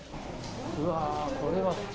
うわー、これは。